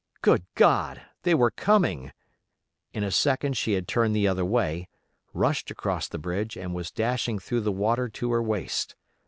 Good God! they were coming! In a second she had turned the other way, rushed across the bridge, and was dashing through the water to her waist.